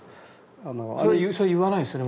それは言わないですよね